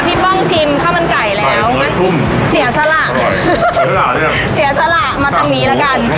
พี่ป้องชิมข้าวมันไก่แล้วเสียสละเสียสละมาตรงนี้ละกัน